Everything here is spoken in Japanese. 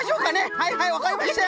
はいはいわかりましたよ。